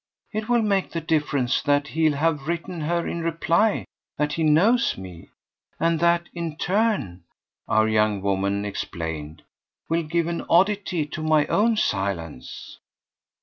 "It will make the difference that he'll have written her in reply that he knows me. And that, in turn," our young woman explained, "will give an oddity to my own silence."